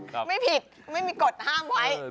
ไม่ผิดไม่มีกฎห้ามไว้